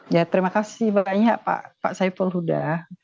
ya terima kasih banyak pak saiful huda